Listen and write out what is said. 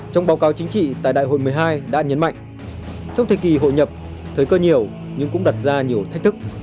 trong thời kỳ hội nhập thời cơ nhiều nhưng cũng đặt ra nhiều thách thức